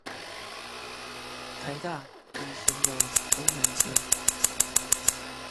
臺大禮賢樓東南側